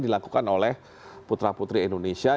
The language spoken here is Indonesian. dilakukan oleh putra putri indonesia